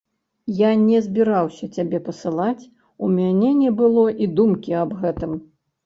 Я не збіраўся цябе пасылаць, у мяне не было і думкі аб гэтым.